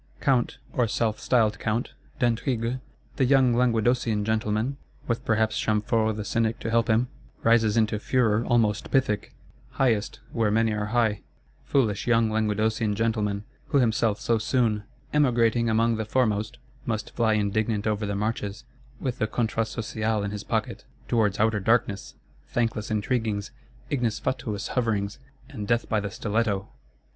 Count, or self styled Count, d'Aintrigues, "the young Languedocian gentleman," with perhaps Chamfort the Cynic to help him, rises into furor almost Pythic; highest, where many are high. Foolish young Languedocian gentleman; who himself so soon, "emigrating among the foremost," must fly indignant over the marches, with the Contrat Social in his pocket,—towards outer darkness, thankless intriguings, ignis fatuus hoverings, and death by the stiletto!